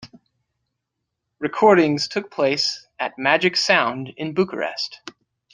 Recordings took place at "Magic Sound" in Bucharest.